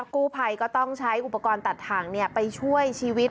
กู้ภัยก็ต้องใช้อุปกรณ์ตัดถังไปช่วยชีวิต